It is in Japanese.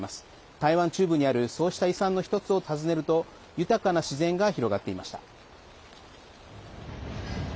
台湾中部にあるそうした遺産の１つを訪ねると豊かな自然が広がっていました。